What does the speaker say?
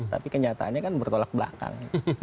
tapi kenyataannya kan bertolak belakang